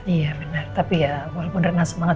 iya benar tapi ya walaupun renang semangat